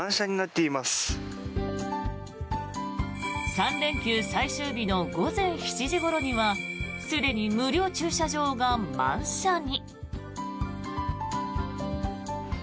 ３連休最終日の午前７時ごろにはすでに無料駐車場が満車に。